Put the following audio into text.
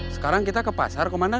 sekarang kita ke pasar kemana